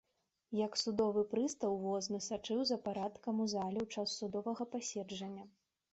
Як судовы прыстаў возны сачыў за парадкам у зале ў час судовага паседжання.